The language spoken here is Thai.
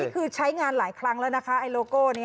อันนี้คือใช้งานหลายครั้งแล้วนะคะไอโลโก้นี้